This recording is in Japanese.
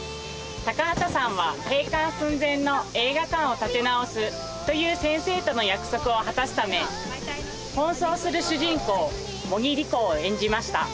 高畑さんは閉館寸前の映画館を立て直すという先生との約束を果たすため奔走する主人公茂木莉子を演じました。